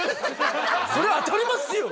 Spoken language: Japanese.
そりゃ当たりますよ！